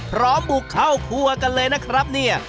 บุกเข้าครัวกันเลยนะครับเนี่ย